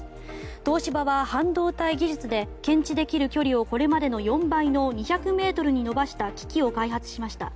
東芝は半導体技術で検知できる距離をこれまでの４倍の２００ｍに伸ばした機器を開発しました。